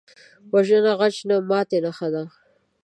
وژنه د غچ نه، د ماتې نښه ده